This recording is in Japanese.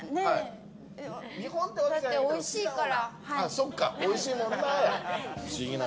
そっか、おいしいもんな。